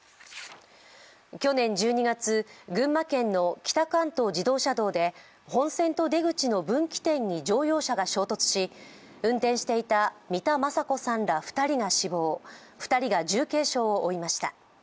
去年１２月、群馬県の北関東自動車道で本線と出口の分岐点に乗用車が衝突し、運転していた三田昌子さんら２人が死亡２人が重軽傷を負いました。